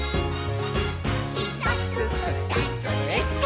「ひとつふたつえっと」